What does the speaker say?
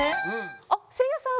あっせいやさん。